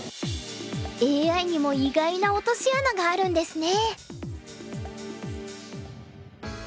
ＡＩにも意外な落とし穴があるんですね。